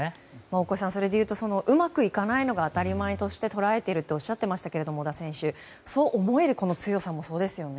大越さん、それでいうとうまくいかないのが当たり前と捉えているとおっしゃっていましたがそう思える強さもそうですよね。